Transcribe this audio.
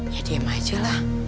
ya diem aja lah